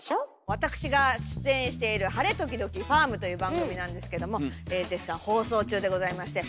わたくしが出演している「晴れ、ときどきファーム！」という番組なんですけども絶賛放送中でございまして。